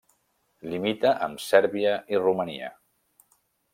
Limita amb Sèrbia i Romania.